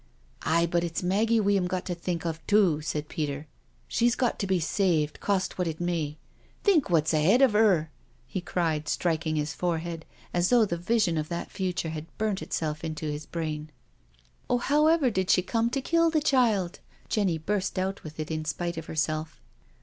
" Aye, but it's Maggie we'm got to think of too," said Peter. " She's got to be saved, cost what it may. Think what's ahead of 'er?" he cried, striking his forehead as though the vision of that future had burnt itself into his brain. 250 NO SURRENDER " Oh^ however did she cum to kill the child?" Jenny, burst out with it in spite of herself.